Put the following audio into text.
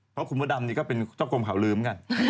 เพราะคุณมดดำนี่ก็เป็นเจ้ากรมข่าวลืมกัน